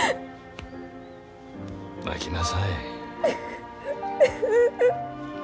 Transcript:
泣きなさい。